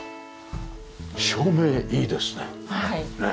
照明いいですね。